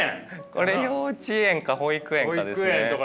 これ幼稚園か保育園かですね。